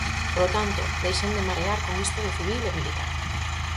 Polo tanto, deixen de marear con isto de civil e militar.